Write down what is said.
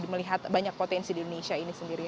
melihat banyak potensi di indonesia ini sendiri